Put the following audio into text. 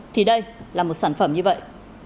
thì đây là một sản phẩm như vậy